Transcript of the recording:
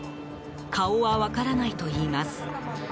顔は分からないといいます。